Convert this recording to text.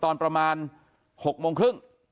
อยู่ดีมาตายแบบเปลือยคาห้องน้ำได้ยังไง